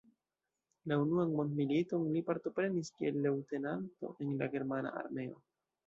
La Unuan Mondmiliton li partoprenis kiel leŭtenanto en la germana armeo.